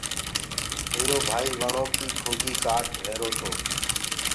ميرو ڀآئيٚ وڻو ڪي ڪُنگي ڪآٽ رهيرو تو۔